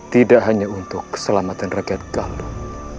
tidak hanya untuk keselamatan rakyat gambut